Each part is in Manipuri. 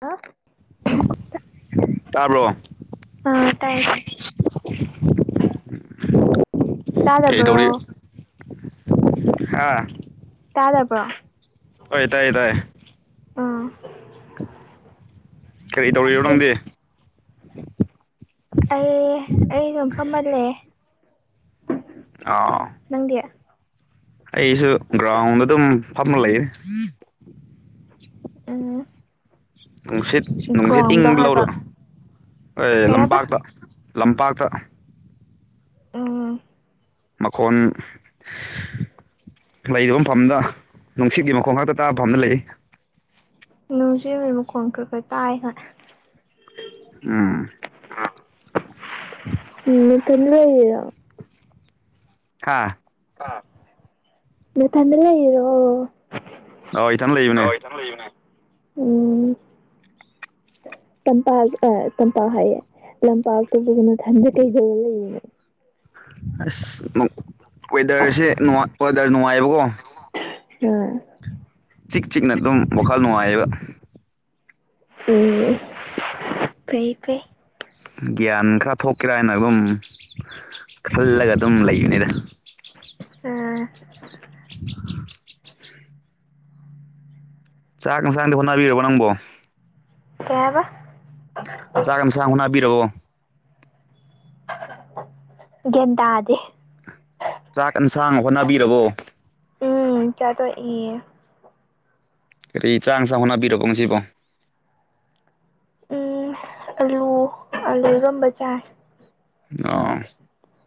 ꯑ ꯇꯥꯔꯕ꯭ꯔꯣ ꯑꯥ ꯇꯥꯏ ꯇꯥꯏ ꯇꯥꯗꯕ꯭ꯔꯣ ꯀꯩꯗꯧꯔꯤ ꯍꯥꯥ ꯇꯥ ꯇꯔꯕ꯭ꯔ ꯍꯣꯏ ꯇꯥꯏ ꯇꯥꯏ ꯑꯥ ꯀꯔꯤ ꯇꯧꯔꯤꯔꯣ ꯅꯪꯗꯤ ꯑꯩ ꯑꯩꯩꯅ ꯐꯝꯃꯜꯂꯦ [unintelligible] ꯅꯪꯗꯤ ꯑꯩꯁꯨ ꯒ꯭ꯔꯥꯎꯟꯗ ꯑꯗꯨꯝ ꯐꯝꯅ ꯂꯩꯌꯦꯦ ꯎꯝ ꯅꯨꯡꯁꯤꯠ ꯅꯨꯡꯁꯤꯠ ꯒ꯭ꯔꯥꯎꯟꯗ ꯏꯤꯡꯕ ꯍꯥꯏꯕ ꯂꯧꯔ ꯀꯩ ꯍꯥꯏꯕ ꯂꯝꯄꯥꯛꯇ ꯂꯝꯄꯥꯛꯇ ꯎꯝ ꯃꯈꯣꯟ ꯂꯩꯔꯤꯕ ꯃꯐꯝꯗ ꯅꯨꯡꯁꯤꯠꯀꯤ ꯃꯈꯣꯡ ꯉꯥꯛꯇ ꯇꯥꯕ ꯐꯝꯗ ꯂꯩ ꯅꯖꯤ ꯃ ꯀꯣꯟ ꯀ꯭ꯔ ꯀꯔꯇꯥꯑ ꯍ ꯎꯝ [inaudible] ꯎꯝ ꯅꯊꯟꯗ ꯂꯩꯔꯤꯔꯣ ꯍꯥꯥ ꯍꯥ ꯅꯊꯟꯗꯂꯩꯏꯔꯣ ꯑꯧ ꯏꯊꯟ ꯂꯩꯕꯅꯦ ꯎꯝ ꯇꯝꯄꯥꯛ ꯑ ꯇꯝꯄꯥꯛ ꯍꯥꯏꯌꯦ ꯂꯝꯄꯥꯛꯇꯨꯕꯨꯒꯤ ꯅꯊꯟꯗ ꯀꯩꯗꯧꯔ ꯂꯩꯔꯤꯅꯦ ꯑꯁ ꯅꯨꯡ ꯋꯦꯗꯔꯁꯦ ꯅꯨꯉꯥꯏ ꯋꯦꯗꯔ ꯅꯨꯡꯉꯥꯏꯕꯀꯣ ꯎꯝ ꯆꯤꯛ ꯆꯤꯛꯅ ꯑꯗꯨꯝ ꯋꯥꯈꯜ ꯅꯨꯡꯉꯥꯏꯌꯦꯕ ꯎꯝ ꯐꯩ ꯐꯩ ꯒ꯭ꯌꯥꯟ ꯈꯔ ꯊꯣꯛꯀꯦꯔꯥ ꯍꯥꯏꯅ ꯑꯗꯨꯝ ꯈꯜꯂꯒ ꯑꯗꯨꯝ ꯂꯩꯕꯅꯤꯗ ꯑꯥ [inaudible] ꯆꯥꯛ ꯏꯟꯁꯥꯡꯗꯤ ꯍꯣꯠꯅꯕꯤꯔꯕ ꯅꯪꯕꯣ ꯀꯩꯍꯥꯏꯕ ꯆꯥꯛ ꯏꯟꯁꯥꯡ ꯍꯣꯠꯅꯥꯕꯤꯔꯕꯣ ꯒꯦꯟꯗꯥꯗꯦ ꯆꯥꯛ ꯑꯦꯟꯁꯥꯡ ꯍꯣꯠꯅꯕꯤꯔꯕꯣ ꯎꯝ ꯆꯥꯇꯣ ꯏ ꯀꯔꯤ ꯆꯥꯡꯁꯥ ꯍꯣꯠꯅꯕꯤꯔꯛꯀꯣ ꯉꯁꯤꯕꯣ ꯎꯝ ꯑꯂꯨ ꯑꯂꯨꯏꯔꯣꯝꯕ ꯆꯥꯏ ꯑꯣ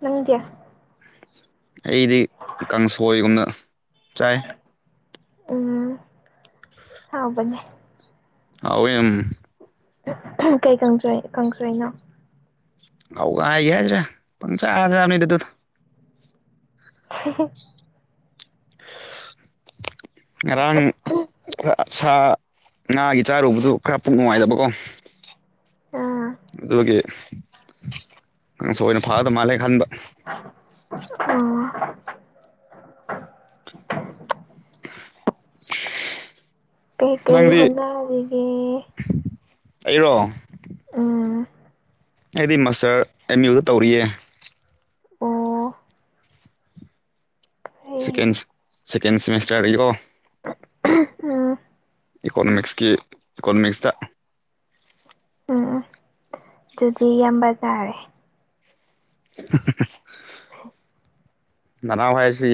ꯅꯪꯗꯤ ꯑꯩꯗꯤ ꯀꯥꯡꯁꯣꯏꯒꯨꯝꯅ ꯆꯥꯏ ꯎꯝ ꯍꯥꯎꯕꯅꯦ ꯑꯥꯎꯦꯑꯝ ꯀꯩ ꯀꯥꯡꯁꯣꯏ ꯀꯪꯁꯣꯏ ꯀꯥꯡꯁꯣꯏꯅꯣ ꯍꯋꯥꯏꯒꯦ ꯍꯥꯏꯁꯔꯦ ꯄꯨꯡ ꯆꯥ ꯆꯥꯕꯅꯤꯗ ꯑꯗꯨꯗ [unintelligible] ꯉꯔꯥꯡ ꯈꯔ ꯁꯥ ꯉꯥꯒꯤ ꯆꯥꯔꯨꯕꯗꯨ ꯈꯔ ꯄꯨꯛ ꯅꯨꯡꯉꯥꯏꯇꯕꯀꯣ ꯑꯥ ꯑꯗꯨꯒꯤ ꯅꯪꯁꯨ ꯑꯣꯏꯅ ꯐꯥꯗ ꯃꯥꯜꯂꯦ ꯈꯟꯕ ꯑ ꯑꯣ [inaudible] ꯀꯩꯀꯩ ꯅꯪꯗꯤ ꯍꯣꯠꯅꯔꯔꯤꯒꯦ ꯑꯩꯔꯣ ꯎꯝ ꯑꯩꯗꯤ ꯃꯥꯁꯇꯔ ꯑꯦꯝ ꯌꯨꯗ ꯇꯧꯔꯤꯌꯦ ꯑꯣ ꯑꯩ ꯁꯦꯀꯦꯟꯁ ꯁꯦꯀꯦꯟ ꯁꯦꯃꯤꯁꯇꯔ ꯂꯩꯔꯣ ꯎꯝ ꯏꯀꯣꯅꯣꯃꯤꯛꯁꯀꯤ ꯏꯀꯣꯅꯣꯃꯤꯛꯁꯇ ꯎꯝ ꯎꯝ ꯑꯗꯨꯗꯤ ꯌꯥꯝꯕ ꯇꯥꯔꯦ [unintelligible] ꯅꯅꯥꯎ ꯍꯥꯏꯁꯤ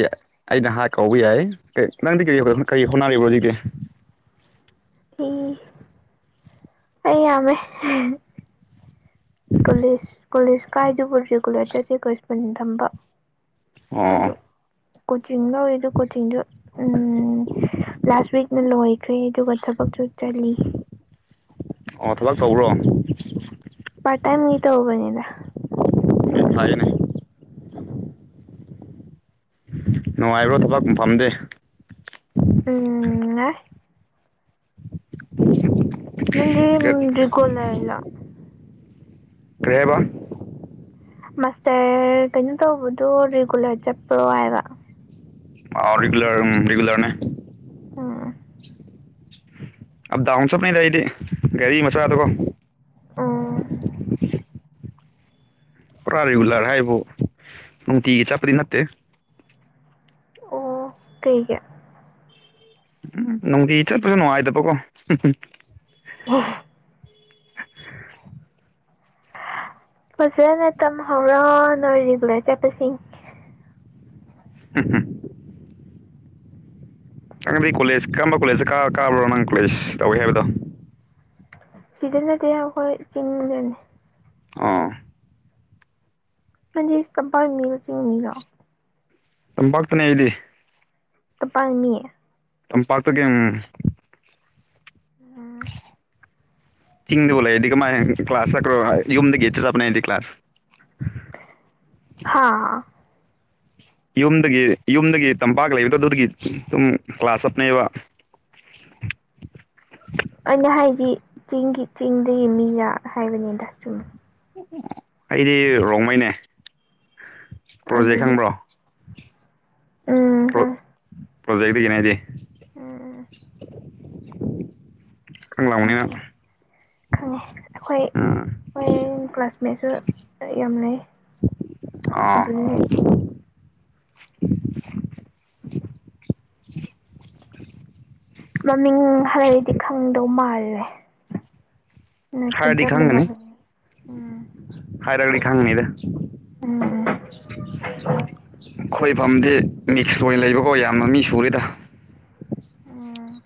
ꯑꯩ ꯅꯍꯥꯛ ꯀꯧꯕꯥ ꯌꯥꯏ ꯀꯩ ꯅꯪꯗꯤ ꯀꯔꯤ ꯀꯔꯤ ꯍꯣꯠꯅꯔꯤꯕꯣ ꯍꯧꯖꯤꯛꯇꯤ ꯍ ꯑꯩ ꯌꯥꯝꯃꯦ ꯀꯣꯂꯤꯁ ꯀꯣꯂꯤꯁ ꯀꯥꯏꯗꯨꯕꯨ ꯔꯤꯒꯨꯂꯔ ꯆꯠꯇꯦ ꯀꯦꯁ ꯄꯨꯟ ꯊꯝꯕ ꯑꯣ ꯑꯗꯨ ꯀꯣꯆꯤꯡ ꯂꯧꯋꯦ ꯑꯗꯨ ꯀꯣꯆꯤꯡꯗꯨ ꯎꯝ ꯂꯥꯁ ꯋꯤꯛꯅ ꯂꯣꯏꯈ꯭ꯔꯦ ꯑꯗꯨꯒ ꯊꯕꯛꯁꯨ ꯆꯜꯂꯤ ꯑꯣ ꯊꯕꯛ ꯇꯧꯕ꯭ꯔꯣ ꯄꯥꯠ ꯇꯥꯏꯝ ꯒꯤ ꯇꯧꯕꯅꯤꯗ ꯆꯨꯝꯅ ꯐꯩꯅꯦ ꯅꯨꯡꯉꯥꯏꯕ꯭ꯔꯣ ꯊꯕꯛ ꯃꯐꯥꯝꯗꯤ ꯎꯝ ꯉꯥꯏ ꯅꯪꯒꯤ ꯀꯥ ꯔꯤꯒꯨꯂꯔꯂꯣ ꯀꯩ ꯍꯥꯏꯕ ꯃꯥꯁꯇꯔ ꯀꯩꯅꯣ ꯇꯧꯕꯗꯣ ꯔꯤꯒꯨꯂꯔ ꯆꯠꯄ꯭ꯔꯣ ꯍꯥꯏꯕ ꯑꯥ ꯔꯤꯒꯨꯂꯔ ꯔꯦꯒꯨꯂꯔꯅꯦ ꯎꯝ ꯑꯞ ꯗꯥꯎꯟ ꯆꯠꯄꯅꯦꯗ ꯑꯩꯗꯤ ꯒꯥꯔꯤ ꯃꯆꯥꯗꯀꯣ ꯑꯣ ꯄꯨꯔꯥ ꯔꯤꯒꯨꯂꯔ ꯍꯥꯏꯕꯨ ꯅꯨꯡꯇꯤꯒꯤ ꯆꯠꯄꯗꯤ ꯅꯠꯇꯦ ꯑꯣ ꯀꯩꯒꯤ ꯅꯨꯡꯇꯤ ꯆꯠꯄꯗꯣ ꯅꯨꯡꯉꯥꯏꯗꯕꯀꯣ ꯑꯣ ꯐꯖꯅ ꯇꯝ ꯍꯧꯔꯣ ꯅꯣꯏ ꯔꯤꯒꯨꯂꯔ ꯆꯠꯄꯁꯤꯡ ꯎꯝ ꯎꯝ ꯅꯪꯗꯤ ꯀꯣꯂꯦꯖ ꯀꯔꯝꯕ ꯀꯣꯂꯦꯖꯇ ꯀꯥ ꯀꯥꯕ꯭ꯔꯣ ꯅꯪ ꯀꯣꯂꯦꯖ ꯇꯧꯋꯤ ꯍꯥꯏꯕꯗꯣ ꯁꯤꯗ ꯅꯠꯇꯦ ꯑꯩꯈꯣꯏ ꯆꯤꯡꯗꯅꯤ ꯑꯥ ꯅꯪꯗꯤ ꯇꯝꯄꯥꯏ ꯃꯤ [unintelligible] ꯇꯝꯄꯥꯛꯇꯅꯦ ꯑꯩꯗꯤ ꯇꯝꯄꯥꯏ ꯃꯤ ꯇꯝꯄꯥꯠꯛꯇꯒꯤ ꯎꯝ ꯎꯝ ꯆꯤꯡꯗꯕꯨ ꯂꯩꯔꯗꯤ ꯀꯃꯥꯏ ꯀ꯭ꯂꯥꯁ ꯆꯠꯀꯥꯗ꯭ꯔꯣ ꯌꯨꯝꯝꯗꯒꯤ ꯆꯠꯄꯅꯦ ꯑꯩꯗꯤ ꯀ꯭ꯂꯥꯁ ꯍꯥꯥ ꯌꯨꯝꯗꯒꯤ ꯌꯨꯝꯗꯒꯤ ꯇꯝꯄꯥꯛ ꯂꯩꯕꯗꯣ ꯑꯗꯨꯗꯒꯤ ꯗꯨꯝ ꯀ꯭ꯂꯥꯁ ꯆꯠꯄꯅꯦꯕ ꯑꯩꯅ ꯍꯥꯏꯗꯤ ꯆꯤꯡꯒꯤ ꯆꯤꯡꯗꯒꯤ ꯃꯤꯒ ꯍꯥꯏꯕꯅꯤꯗ ꯁꯨꯝ ꯑꯩꯗꯤ ꯔꯣꯡꯃꯩꯅꯦ ꯄ꯭ꯔꯣꯖꯦꯛ ꯑꯗꯨꯗꯤ ꯈꯪꯕ꯭ꯔꯣ ꯎꯝ ꯄ꯭ꯔꯣ ꯈꯪ ꯄ꯭ꯔꯣꯖꯦꯛꯇꯒꯤꯅꯦ ꯑꯩꯗꯤ ꯎꯝ ꯈꯪ ꯎꯝ ꯂꯥꯎꯅꯤ ꯅꯪ ꯈꯪꯉꯦ ꯑꯩꯈꯣꯏ ꯎꯝ ꯍꯣꯏ ꯀ꯭ꯂꯥꯁꯃꯦꯠꯁꯨ ꯌꯥꯝ ꯂꯩ ꯑꯥ ꯑꯗꯨꯗꯒꯤ ꯃꯃꯤꯡ ꯍꯥꯏꯔꯗꯤ ꯈꯪꯗꯧ ꯃꯥꯜꯂꯦ ꯅꯣꯏ ꯈꯨꯟ ꯍꯥꯏꯔꯗꯤ ꯆꯥꯞ ꯈꯪꯒꯅꯤ ꯃꯟꯅꯕꯅꯦ ꯍꯥꯏꯔꯒꯗꯤ ꯈꯥꯡꯅꯤꯗꯥ ꯎꯝ ꯈꯣꯏꯐꯝꯝꯗꯤ ꯃꯤꯛꯁ ꯑꯣꯏꯅ ꯂꯩꯕꯀꯣ ꯌꯥꯝꯅ ꯃꯤ ꯁꯨꯔꯦꯗ ꯎꯝ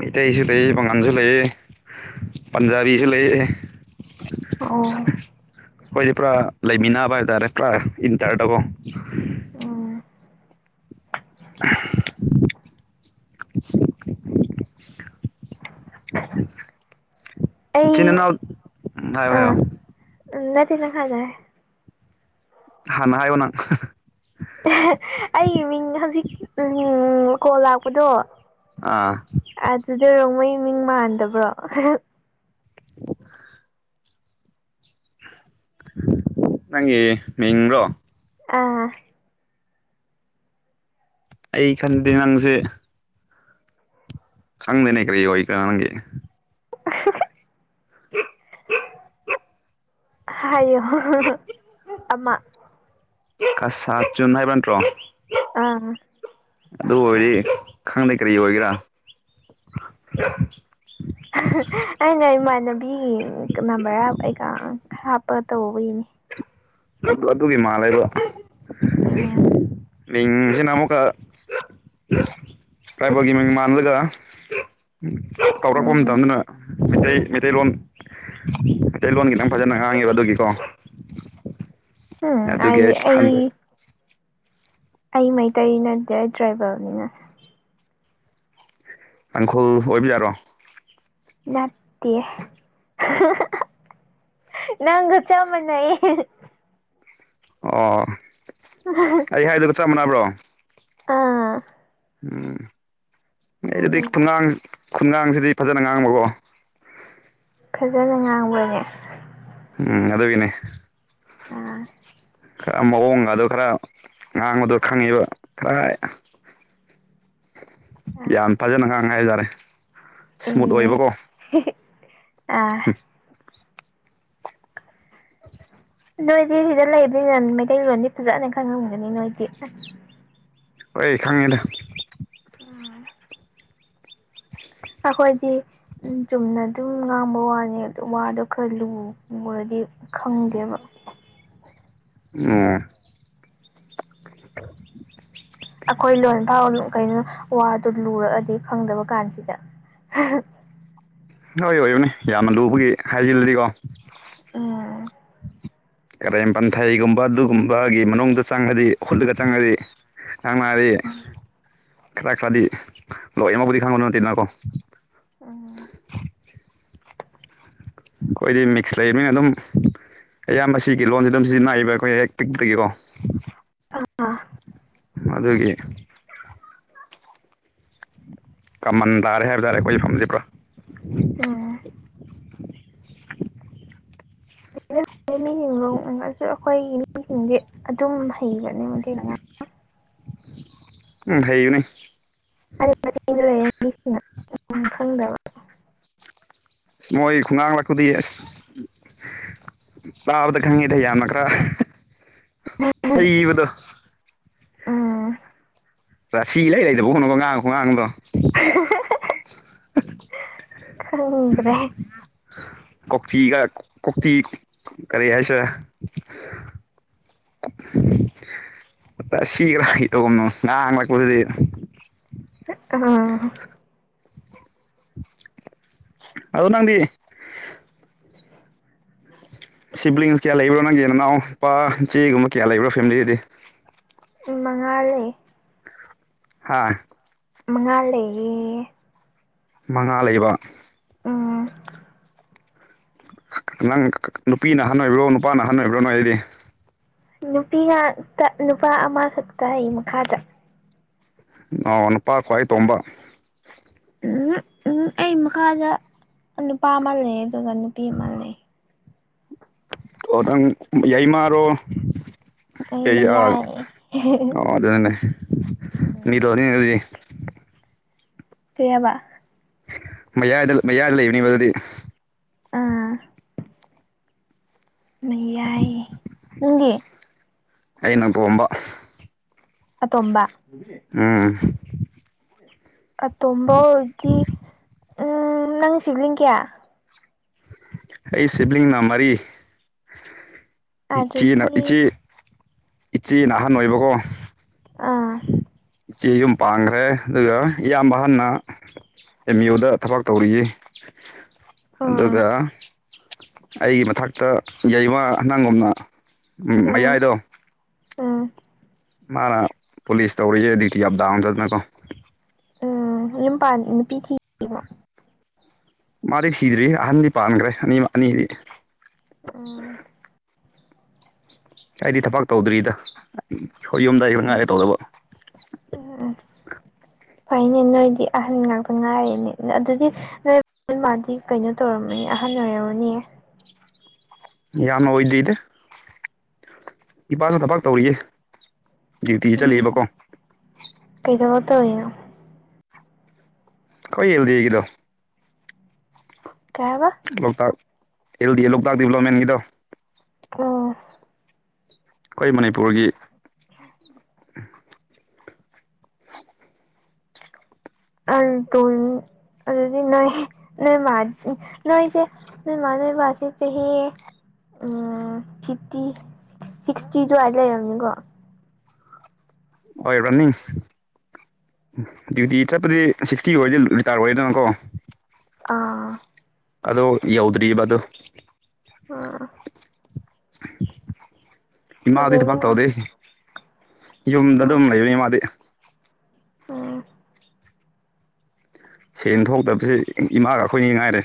ꯃꯤꯇꯩꯁꯨ ꯂꯩꯌꯦ ꯄꯡꯉꯥꯟꯁꯨ ꯂꯩꯌꯦ ꯄꯟꯖꯥꯕꯤꯁꯨ ꯂꯩꯌꯦ ꯑꯣ ꯑꯩꯈꯣꯏꯗꯤ ꯄꯨꯔꯥ ꯂꯩꯃꯤꯟꯅꯕ ꯍꯥꯏ ꯇꯔꯦ ꯄꯨꯔꯥ ꯏꯟꯇꯔꯗꯀꯣ ꯎꯝ [unintelligible] ꯏꯆꯤꯟ ꯑꯩ ꯏꯅꯥꯎ ꯍꯥꯏꯌꯣ ꯍꯥꯏꯌꯣ ꯑꯥ ꯅꯠꯇꯦ ꯅꯪ [unintelligible] ꯍꯥꯟꯅ ꯍꯥꯏꯌꯣ ꯅꯪ ꯑꯩꯒꯤ ꯃꯤꯡ ꯍꯧꯖꯤꯛ ꯎꯝ ꯀꯣꯜ ꯂꯥꯛꯄꯗꯣ ꯑꯥ ꯑꯗꯨꯗ ꯔꯣꯡꯃꯩ ꯃꯤꯡ ꯃꯥꯟꯗꯕ꯭ꯔꯣ [inaudible] ꯅꯪꯒꯤ ꯃꯤꯡꯔꯣ ꯑꯥ ꯑꯩ ꯈꯟꯗꯦ ꯅꯪꯁꯦ ꯈꯪꯗꯅꯦ ꯀꯔꯤ ꯑꯣꯏꯇꯥ ꯅꯪꯒꯤ [inaudible] ꯍꯥꯏꯌꯣ ꯑꯃ ꯀꯁꯥ ꯆꯨꯟ ꯍꯥꯏꯕ꯭ꯔ ꯅꯠꯇ꯭ꯔꯣ ꯑꯥ ꯑꯗꯨ ꯑꯣꯏꯤ ꯈꯪꯗꯦ ꯀꯔꯤ ꯑꯣꯏꯒꯦꯔꯥ ꯑꯩꯅ ꯏꯃꯥꯟꯅꯕꯤꯒꯤ ꯅꯝꯕꯔ [unintelligible] ꯍꯥꯞꯄ ꯇꯧꯕꯒꯤꯅꯦ ꯑꯗꯨ ꯑꯗꯨꯒꯤ ꯃꯥꯜꯂꯦꯕꯥ ꯎꯝ ꯃꯤꯡꯁꯤꯅꯥ ꯑꯃꯨꯛꯀꯥ [unintelligible] ꯃꯤ ꯃꯥꯟꯂ ꯇꯧꯔꯛꯄ ꯎꯝ ꯃꯇꯝꯗꯅ ꯃꯩ ꯃꯩꯇꯩꯂꯣꯟ ꯃꯩꯇꯩꯂꯣꯟꯒꯤ ꯅꯪ ꯐꯖꯅ ꯉꯥꯡꯉꯦꯕ ꯑꯗꯨꯒꯤꯀꯣ ꯑꯗꯨꯒꯤ ꯑꯩ ꯈꯥꯟ ꯑꯩ ꯃꯩꯇꯩ ꯅꯠꯇꯦ ꯑꯩ ꯇ꯭ꯔꯥꯏꯕꯦꯜꯅꯤꯅ ꯇꯥꯡꯈꯨꯜ ꯑꯣꯏꯕ ꯌꯥꯔꯣ ꯅꯥꯠꯇꯦ ꯅꯪꯒ ꯆꯃꯅꯏꯌꯦ ꯑꯣ ꯑꯩ ꯍꯥꯏꯗꯨꯒ ꯆꯞ ꯃꯥꯟꯅꯕ꯭ꯔꯣ ꯑꯥ ꯎꯝ ꯑꯩ ꯆꯞ ꯃꯥꯟꯅꯩ ꯑꯗꯨꯗꯤꯒꯥꯡ ꯈꯨꯟꯒꯥꯡꯁꯤꯗꯤ ꯐꯖꯅ ꯉꯥꯡꯕꯀꯣ ꯐꯖꯅ ꯉꯥꯡꯕꯅꯦ ꯎꯝ ꯑꯗꯨꯒꯤꯅꯦ ꯑꯥ ꯈꯔ ꯃꯑꯣꯡꯒꯗꯣ ꯈꯔ ꯉꯥꯡꯕꯗꯣ ꯈꯪꯉꯤꯕ ꯈꯔ ꯑꯥ ꯌꯥꯝ ꯐꯖꯅ ꯉꯥꯡꯉꯦ ꯍꯥꯏꯇꯥꯔꯦ ꯏꯁꯃꯨꯠ ꯑꯦ ꯑꯣꯏꯕꯀꯣ [unintelligible] ꯑꯥ [inaudible] [inaudible] ꯅꯣꯏꯗꯤ ꯁꯤꯗ ꯂꯩꯕꯅꯤꯅ ꯃꯩꯇꯩꯂꯣꯟꯗꯤ ꯐꯖꯅ ꯈꯪꯉꯝꯒꯅꯤ ꯅꯣꯏꯗꯤ ꯍꯣꯏ ꯈꯪꯉꯤꯗ [inaudible] [inaudible] ꯑꯈꯣꯏꯗꯤ ꯆꯨꯝꯅ ꯑꯗꯨꯝ ꯉꯥꯡꯕ ꯋꯥꯅꯤ ꯑꯣ ꯋꯥꯗꯣ ꯈꯔ ꯂꯨꯔꯗꯤ ꯈꯪꯗꯦꯕ [unintelligible] [inaudible] ꯑꯩꯈꯣꯏ ꯂꯣꯟ ꯐꯥꯎ ꯀꯩꯅꯣ ꯋꯥꯗꯨ ꯂꯨꯔꯛꯑꯗꯤ ꯐꯪꯗꯕ ꯀꯥꯟꯁꯤꯗ ꯍꯣꯏ ꯑꯣꯏꯌꯣꯅꯦ ꯌꯥꯝꯅ ꯂꯨꯕꯒꯤ ꯍꯥꯏꯖꯤꯜꯂꯤꯀꯣ [unintelligible] ꯀꯔꯦꯝ ꯄꯟꯊꯩꯒꯨꯝꯕ ꯑꯗꯨꯒꯨꯝꯕꯒꯤ ꯃꯅꯨꯡꯗꯗꯨ ꯆꯪꯉꯗꯤ ꯍꯨꯠꯂꯒ ꯆꯪꯉꯗꯤ ꯅ ꯃꯥꯗꯤ ꯈꯔ ꯈꯔꯗꯤ ꯂꯣꯏꯃꯛꯕꯨꯗꯤ ꯈꯪꯕꯅ ꯅꯠꯇꯦꯅꯀꯣ ꯎꯝ ꯑꯩꯈꯣꯏꯗꯤ ꯃꯤꯛꯁ ꯂꯩꯃꯤꯅ ꯑꯗꯨꯝ ꯑꯩꯌꯥꯝꯕ ꯁꯤꯒꯤ ꯂꯣꯟꯁꯤ ꯑꯗꯨꯝ ꯁꯤꯖꯤꯟꯅꯏꯕ ꯑꯩꯈꯣꯏ ꯍ°ꯛ ꯄꯤꯛꯇꯒꯤꯀꯣ [unintelligible] ꯑꯗꯨꯒꯤ ꯀꯃꯟ ꯇꯥꯔꯦ ꯍꯥꯏꯕ [unintelligible] ꯇꯥꯔꯦ ꯎꯝ [unintelligible] ꯃꯤꯁꯤꯡꯗꯤ ꯑꯗꯨꯝ ꯍꯩꯕꯅꯦ [unintelligible] ꯎꯝ ꯍꯩꯅꯤ ꯍꯥꯏ ꯃꯇꯦꯡ ꯂꯩꯔꯦ ꯃꯤꯁꯤꯡꯅ ꯈꯪꯗꯕ ꯃꯣꯏ ꯈꯣꯡꯉꯥꯡ ꯂꯀꯨꯗ ꯇꯥꯕꯗ ꯈꯪꯉꯤꯗ ꯌꯥꯝꯃ ꯈꯔ ꯍꯩꯕꯗꯣ ꯑꯥ ꯔꯥꯁꯤ ꯂꯩꯗꯕ ꯋꯥꯉꯥꯡ ꯑꯃ ꯉꯥꯡꯕ ꯉꯥꯡꯕꯗꫭ [unintelligible] ꯈꯪꯗ꯭ꯔꯦ ꯀꯥꯛꯆꯤꯒ ꯀꯣꯛꯆꯤ ꯀꯔꯤ ꯍꯥꯏꯁꯦ [unintelligible] ꯑ ꯁꯤꯈ꯭ꯔꯥ ꯀ ꯇꯧꯒꯅꯣ ꯉꯥꯡꯂꯛꯄꯗꯨꯗꯤ [unintelligible] ꯑꯗꯨ ꯅꯪꯗꯤ ꯁꯤꯕꯂꯤꯡꯁ ꯀꯌꯥ ꯂꯩꯕ꯭ꯔꯣ ꯅꯪꯒꯤ ꯅꯅꯥꯎ ꯅꯨꯄꯥ ꯆꯦꯒꯨꯝꯕ ꯀꯌꯥ ꯂꯩꯕ꯭ꯔꯣ ꯐꯦꯃꯤꯂꯤꯗꯗꯤ ꯃꯉꯥꯜꯂꯦ ꯍꯥꯥ ꯉ ꯂꯩ ꯎꯝ ꯃꯉꯥ ꯂꯩꯕ ꯎꯝ ꯅꯪ ꯅꯨꯄꯤꯅ ꯑꯍꯟꯅ ꯑꯣꯏꯕ꯭ꯔꯣ ꯅꯨꯄꯥꯅ ꯑꯍꯟꯅ ꯑꯣꯏꯕ꯭ꯔꯣ ꯅꯣꯏ ꯑꯩꯗꯤ ꯅꯨꯄꯤ ꯉꯥꯛꯇ ꯅꯨꯄꯥ ꯑꯃꯈꯛꯇ ꯑꯩ ꯃꯈꯥꯗ ꯑꯧ ꯅꯨꯄꯥ ꯈ꯭ꯋꯥꯏ ꯇꯣꯝꯕ ꯎꯝ ꯎꯝ ꯑꯩ ꯃꯈꯥꯗ ꯅꯨꯄꯥ ꯑꯃ ꯂꯩ ꯑꯗꯨꯒ ꯅꯨꯄꯤ ꯑꯃ ꯂꯩ ꯌꯥꯏꯃꯔꯣ ꯑꯩ ꯀꯔꯤ ꯑ ꯃꯌꯥꯏ ꯃꯥꯗꯅꯦ ꯅ ꯎꯝ ꯇꯗꯤ ꯀꯩꯕ ꯃꯌꯥꯏꯗ ꯃꯌꯥꯏꯗ ꯂꯩꯕꯅꯤ ꯃꯗꯨꯗꯤ ꯑꯥ ꯌꯥꯏ ꯅꯪꯗꯤ ꯑꯩꯅ ꯑꯥꯇꯣꯝꯕ ꯑꯥꯇꯣꯝꯕ ꯎꯝ ꯑꯇꯣꯝꯕ ꯑꯣꯏꯔꯗꯤ ꯎꯝ ꯅꯪ ꯁꯤ ꯂꯤꯡꯒꯦ ꯑꯩ ꯁꯤꯕꯂꯤꯡꯅ ꯃꯔꯤ ꯏꯆꯦꯅ ꯑꯗꯨꯗꯤ ꯏꯆꯦ ꯏꯆꯦ ꯅ ꯑꯍꯥꯟ ꯑꯣꯏꯕꯀꯣ ꯑꯥ ꯏꯆꯦ ꯌꯨꯝ ꯄꯥꯡꯈ꯭ꯔꯦ ꯑꯗꯨꯒ ꯏꯌꯥꯝꯕ ꯍꯟꯅ ꯑꯦꯝ ꯌꯨꯗ ꯊꯕꯛ ꯇꯧꯔꯤ ꯎꯝ ꯑꯗꯨꯒ ꯑꯩꯒꯤ ꯃꯊꯛꯇ ꯂꯩꯕꯥ ꯑꯉꯥꯡ ꯎꯝ ꯃꯌꯥꯏꯗꯣ ꯎꯝ ꯃꯥꯅ ꯄꯨꯂꯤꯁ ꯇꯧꯔꯤꯁꯦ ꯗꯤꯇꯤ ꯑꯞꯗꯥꯎ ꯑꯃꯝꯗꯗꯅꯀꯣ ꯎꯝ ꯌꯨꯝ ꯄꯥꯟ ꯅꯨꯄꯤꯊꯤ ꯃꯥꯗꯤ ꯊꯤꯗ꯭ꯔꯤ ꯑꯍꯟꯗꯤ ꯄꯥꯟꯈ꯭ꯔꯦ ꯑꯅꯤ ꯑꯅꯤꯗꯤ ꯑꯣ ꯑꯩꯗꯤ ꯊꯕꯛ ꯇꯧꯗ꯭ꯔꯤꯗ ꯌꯨꯝꯗꯥꯏꯗ ꯉꯥꯏꯔꯦ ꯇꯧꯗꯕ ꯎꯝ ꯎꯝ ꯐꯩꯅꯦ ꯅꯣꯏꯗꯤ ꯑꯍꯟ ꯉꯥꯛꯇ ꯉꯥꯏꯔꯤꯦꯅꯦ ꯑꯗꯨꯗꯤ ꯅꯣꯏ ꯃꯥꯗꯤ ꯀꯩꯅꯣ ꯇꯧꯔꯝꯃꯅꯤ ꯑꯍꯟ ꯑꯣꯏꯔꯝꯔꯕꯅꯦ ꯌꯥꯝꯅ ꯑꯣꯏꯗꯦꯗꯤ ꯏꯄꯥꯁꯨ ꯊꯕꯛ ꯇꯧꯔꯤꯌꯦ ꯗ꯭ꯌꯨꯇꯤ ꯎꯝ ꯆꯠꯂꯤꯕꯀꯣ ꯀꯩꯗꯧꯔꯒ ꯇꯧꯔꯤꯅꯣ ꯑꯩꯈꯣꯏ ꯑꯦꯜꯗꯤꯒꯤꯗꯣ ꯀꯩꯍꯥꯏꯕ ꯂꯣꯛꯇꯥꯛ ꯑꯦꯜ ꯗꯤ ꯑꯦ ꯂꯣꯛꯇꯥꯛ ꯗꯗꯤꯕꯂꯞꯃꯦꯟꯒꯤꯗꯣ ꯎꯝ ꯑꯩꯈꯣꯏ ꯃꯅꯤꯄꯨꯔꯒꯤ ꯑ ꯇꯣꯟꯅꯤ ꯑꯗꯨꯗꯤ ꯅꯣꯏ ꯅꯣꯏꯃ ꯅꯣꯏꯁꯦ ꯅꯣꯏꯃꯥ ꯅꯣꯏꯕꯁꯦ ꯆꯍꯤ ꯎꯝ ꯐꯤꯐꯇꯤ ꯁꯤꯛꯁꯇꯤ ꯑꯗꯨꯋꯥꯏꯗ ꯂꯩꯔꯝꯅꯤꯀꯣ ꯍꯣꯏ ꯔꯅꯤ ꯗ꯭ꯌꯨꯇꯤ ꯆꯠꯄꯗꯤ ꯁꯤꯛꯁꯇꯤꯒꯤ ꯑꯣꯏꯔꯗꯤ ꯔꯤꯇꯥꯔ ꯑꯣꯏꯔꯦꯗꯅꯀꯣ ꯑꯥ ꯑꯗꯣ ꯌꯧꯗ꯭ꯔꯤꯕ ꯑꯗꯨ ꯎꯝ ꯏꯃꯥꯗꯤ ꯑꯗꯨꯗꯤ ꯊꯕꯛ ꯇꯧꯗꯦ ꯌꯨꯝꯗ ꯑꯗꯨꯝ ꯎꯝ ꯂꯩꯕꯅꯤ ꯃꯥꯗꯤ ꯎꯝ ꯁꯦꯟ ꯊꯣꯛꯇꯕꯕꯁꯤ ꯏꯃꯥꯒ ꯑꯩꯈꯣꯏꯅꯤ ꯉꯥꯏꯔꯦ